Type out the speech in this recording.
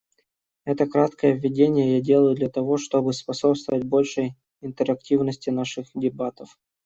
Это краткое введение я делаю для того, чтобы способствовать большей интерактивности наших дебатов.